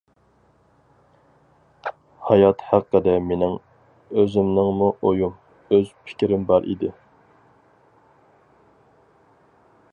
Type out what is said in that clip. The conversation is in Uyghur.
ھايات ھەققىدە مېنىڭ ئۆزۈمنىڭمۇ ئويۇم، ئۆز پىكرىم بار ئىدى.